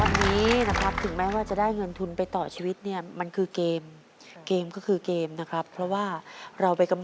วันนี้นะครับถึงแม้ว่าจะได้เงินทุนไปต่อชีวิตเนี่ยมันคือเกม